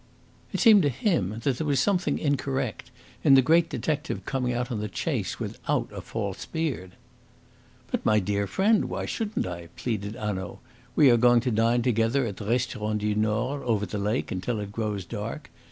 It seemed to him that there was something incorrect in the great detective coming out on the chase without a false beard. "But, my dear friend, why shouldn't I?" pleaded Hanaud. "We are going to dine together at the Restaurant du Nord, over the lake, until it grows dark.